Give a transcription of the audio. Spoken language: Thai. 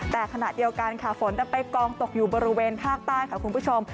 แต่ขณะเดียวกันค่ะฝนจะไปกองตกอยู่บริเวณภาคใต้ค่ะคุณผู้ชม